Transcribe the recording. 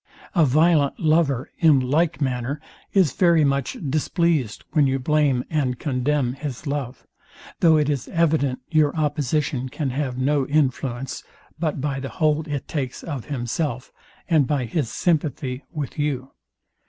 A violent lover in like manner is very much displeased when you blame and condemn his love; though it is evident your opposition can have no influence, but by the hold it takes of himself, and by his sympathy with you.